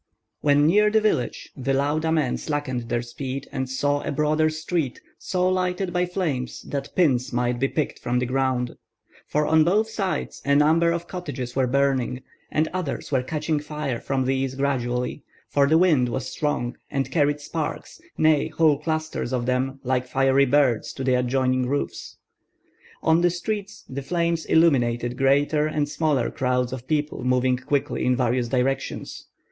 When near the village, the Lauda men slackened their speed, and saw a broad street so lighted by flames that pins might be picked from the ground; for on both sides a number of cottages were burning, and others were catching fire from these gradually, for the wind was strong and carried sparks, nay, whole clusters of them, like fiery birds, to the adjoining roofs. On the street the flames illuminated greater and smaller crowds of people moving quickly in various directions.